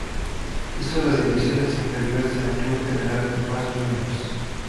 Hizo las divisiones inferiores en el Club General Paz Juniors.